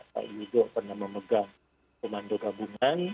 pak yudo pernah memegang komando gabungan